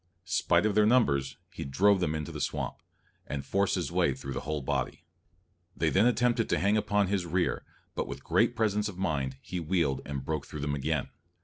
Spite of their numbers, he drove them into a swamp, and forced his way through the whole body. They then attempted to hang upon his rear, but with great presence of mind he wheeled and broke through them again.